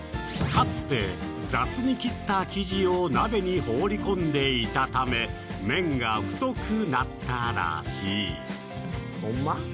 かつて雑に切った生地を鍋に放り込んでいたため麺が太くなったらしいほんま？